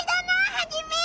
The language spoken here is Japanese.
ハジメ！